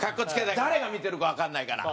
誰が見てるかわからないから。